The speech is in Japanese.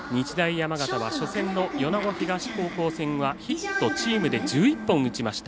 山形は初戦の米子東高校戦はヒットチームで１１本打ちました。